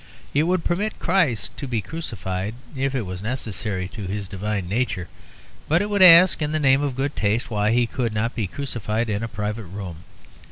It would permit Christ to be crucified if it was necessary to His Divine nature, but it would ask in the name of good taste why He could not be crucified in a private room.